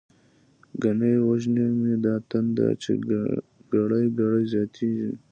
گڼی وژنی می دا تنده، چی گړی گړی زیاتتیږی